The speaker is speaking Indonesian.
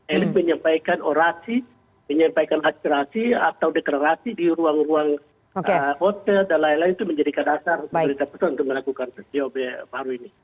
elis menyampaikan orasi menyampaikan aspirasi atau deklarasi di ruang ruang hotel dan lain lain itu menjadi keadasan untuk melakukan dob baru ini